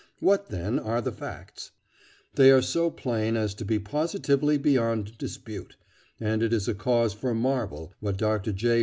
What, then, are the facts? They are so plain as to be positively beyond dispute, and it is a cause for marvel what Dr. J.